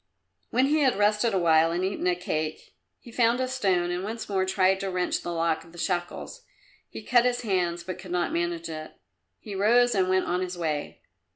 When he had rested a while and eaten a cake, he found a stone and once more tried to wrench the lock of the shackles. He cut his hands, but could not manage it. He rose and went on his way.